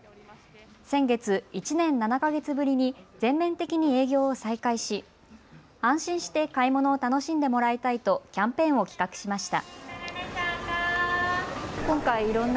先月、１年７か月ぶりに全面的に営業を再開し安心して買い物を楽しんでもらいたいとキャンペーンを企画しました。